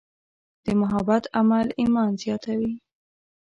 د محبت عمل ایمان زیاتوي.